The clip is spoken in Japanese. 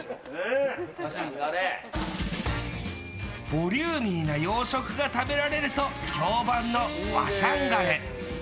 ボリューミーな洋食が食べられると評判のわしゃんがれ。